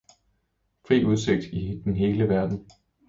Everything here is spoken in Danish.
fri udsigt i den hele verden!